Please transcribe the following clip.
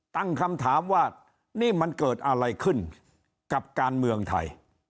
ตั้งคำถามว่านี่มันเกิดอะไรขึ้นกับการเมืองไทย